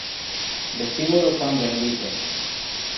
Vestíbulo Pan Bendito